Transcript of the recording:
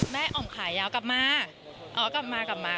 แม่อ๋อมขายาวกลับมา